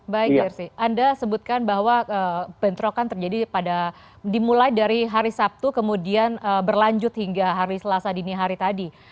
baik jersi anda sebutkan bahwa bentrokan terjadi pada dimulai dari hari sabtu kemudian berlanjut hingga hari selasa dini hari tadi